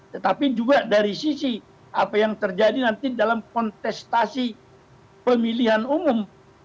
tetapi juga dari sisi apa yang terjadi nanti dalam kontestasi pemilihan umum